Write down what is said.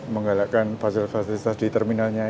menggalakkan fasilitas fasilitas di terminalnya